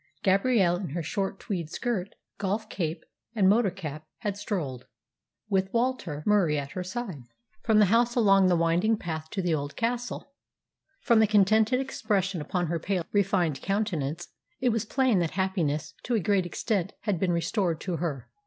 Gabrielle, in her short tweed skirt, golf cape, and motor cap, had strolled, with Walter Murie at her side, from the house along the winding path to the old castle. From the contented expression upon her pale, refined countenance, it was plain that happiness, to a great extent, had been restored to her.